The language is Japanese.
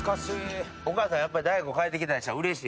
お母さんやっぱり、大悟帰ってきたらうれしい？